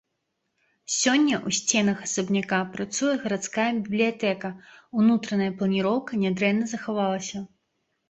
Сёння ў сценах асабняка працуе гарадская бібліятэка, унутраная планіроўка нядрэнна захавалася.